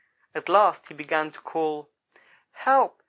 At last he began to call: "'Help!